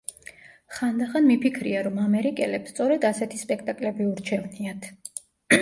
ხანდახან მიფიქრია, რომ ამერიკელებს სწორედ ასეთი სპექტაკლები ურჩევნიათ.